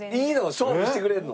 勝負してくれるの？